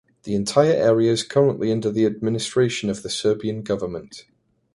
The entire area is currently under the administration of the Serbian government.